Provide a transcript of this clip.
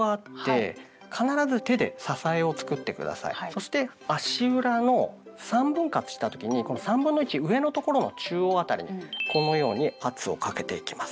そして足裏の３分割した時にこの３分の１上のところの中央辺りにこのように圧をかけていきます。